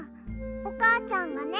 おかあちゃんがね